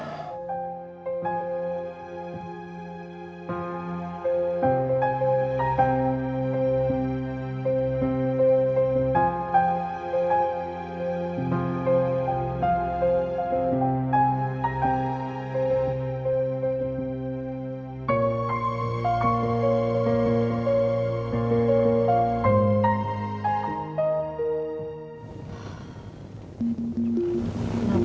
gue mau ke rumah